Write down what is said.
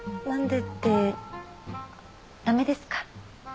なんでってダメですか？